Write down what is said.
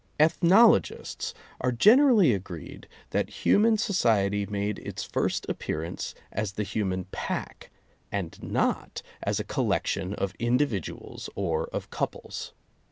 Ethnologists are generally agreed that human so ciety made its first appearance as the human pack and not as a collection of individuals or of couples.